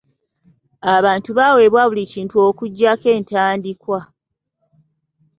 Abantu baawebwa buli kintu okuggyako entandikwa.